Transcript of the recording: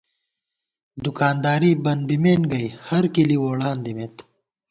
دُکانداری بن بِمېن گئ ہر کِلی ووڑان دِمېت